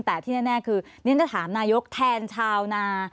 แต่ที่แน่คือนี่ฉันจะถามนายกแทนชาวนา